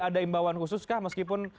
ada imbauan khusus kah meskipun